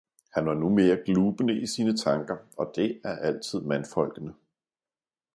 Han var nu mere glubende i sine tanker, og det er altid mandfolkene.